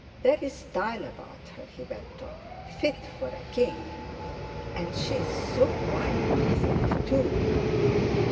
"There's style about her," he went on, "fit for a king! And she's so quiet with it too!"